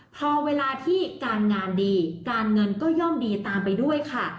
พอเวลาที่การงานดีการเงินก็ย่อมดีตามไปด้วยค่ะ